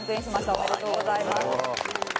おめでとうございます。